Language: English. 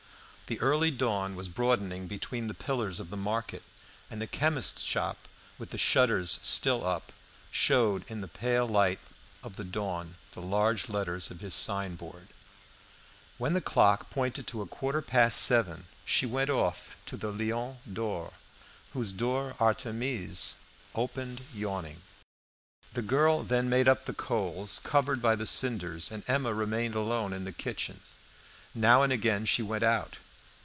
The early dawn was broadening between the pillars of the market, and the chemist's shop, with the shutters still up, showed in the pale light of the dawn the large letters of his signboard. When the clock pointed to a quarter past seven, she went off to the "Lion d'Or," whose door Artémise opened yawning. The girl then made up the coals covered by the cinders, and Emma remained alone in the kitchen. Now and again she went out.